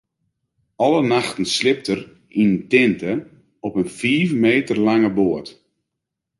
Alle nachten sliept er yn in tinte op in fiif meter lange boat.